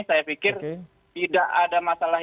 saya pikir tidak ada masalah